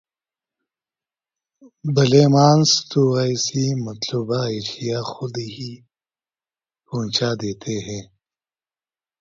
بھلے مانس تو ایسی مطلوبہ اشیاء خود ہی پہنچا دیتے ہیں۔